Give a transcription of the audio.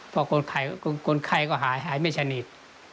เพราะคนไข้ก็หายไม่สนิท